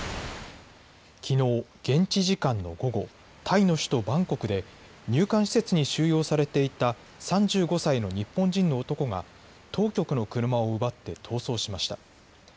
きのう現地時間の午後、タイの首都バンコクで入管施設に収容されていた３５歳の日本人の男が当局の車を奪って逃走しました。